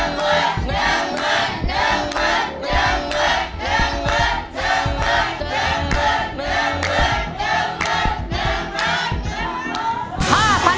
๑มือ